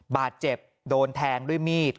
บาดเจ็บโดนแทงด้วยมีด